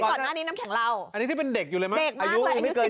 ก่อนหน้านี้น้ำแข็งเราอันนี้ที่เป็นเด็กคือใดไม่เกิน๒๐